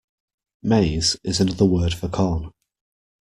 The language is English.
Maize is another word for corn